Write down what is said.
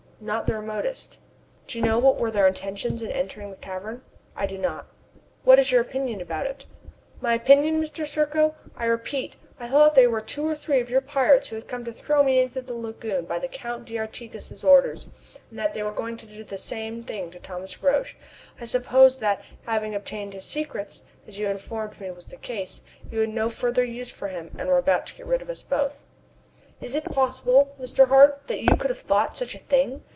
"Not the remotest." Do you know what were their intentions in entering the cavern?" "I do not." "What is your opinion about it?" "My opinion, Mr. Serko? I repeat I thought they were two or three of your pirates who had come to throw me into the lagoon by the Count d'Artigas' orders, and that they were going to do the same thing to Thomas Roch. I supposed that having obtained his secrets as you informed me was the case you had no further use for him and were about to get rid of us both." "Is it possible, Mr. Hart, that you could have thought such a thing!"